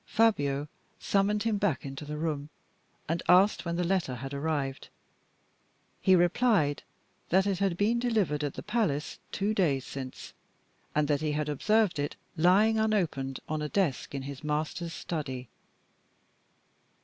Fabio summoned him back into the room, and asked when the letter had arrived. He replied that it had been delivered at the palace two days since, and that he had observed it lying unopened on a desk in his master's study.